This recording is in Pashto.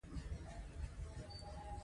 عینکي ډیر ډولونه لري